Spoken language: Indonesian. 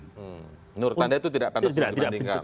menurut anda itu tidak pantas dibandingkan